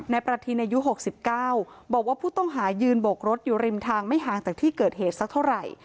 ประทินอายุ๖๙บอกว่าผู้ต้องหายืนบกรถอยู่ริมทางไม่ห่างจากที่เกิดเหตุสักเท่าไหร่